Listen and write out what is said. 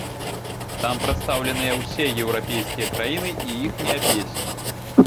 Там прадстаўленыя ўсе еўрапейскія краіны і іхнія песні.